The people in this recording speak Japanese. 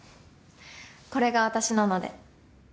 これが私なので。